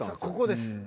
［ここです］